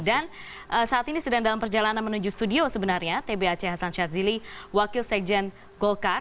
dan saat ini sedang dalam perjalanan menuju studio sebenarnya tbc hasan syadzili wakil sekjen golkar